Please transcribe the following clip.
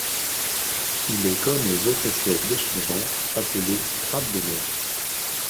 Il est comme les autres espèces de son genre appelé crabe des neiges.